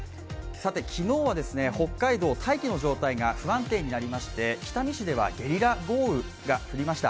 昨日は北海道、大気の状態が不安定になりまして、北見市ではゲリラ豪雨が降りました。